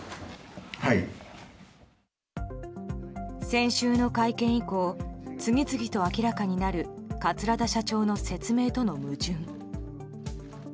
先週の会見以降次々と明らかになる桂田社長の説明との矛盾。